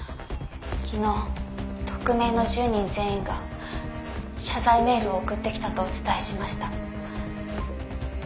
「昨日匿名の１０人全員が謝罪メールを送ってきたとお伝えしました」